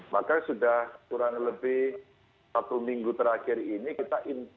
maka sudah kurang lebih satu minggu terakhir ini